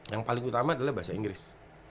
yang paling utama adalah bahasa inggris